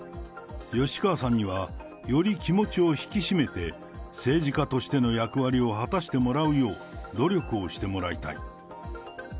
吉川さんには、より気持ちを引き締めて、政治家としての役割を果たしてもらうよう、努力をしてもらいたい。